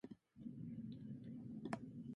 神奈川県開成町